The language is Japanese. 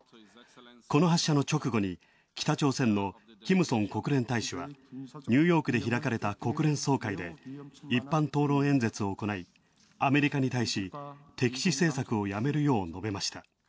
この発射の直後に北朝鮮の金星国連大使は、ニューヨークで開かれた国連総会で一般討論演説を行い、アメリカに対し敵視政策をやめるよう述べました。